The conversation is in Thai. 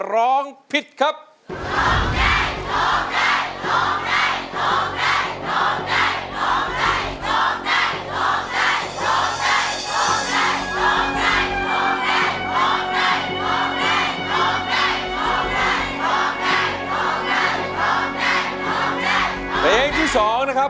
ร้องได้สิครับ